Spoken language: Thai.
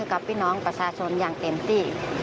กับพี่น้องประชาชนอย่างเต็มที่